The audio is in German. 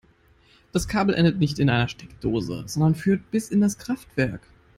Das Kabel endet nicht in einer Steckdose, sondern führt bis in das Kraftwerk.